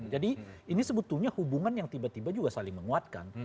jadi ini sebetulnya hubungan yang tiba tiba juga saling menguatkan